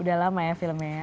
udah lama ya filmnya ya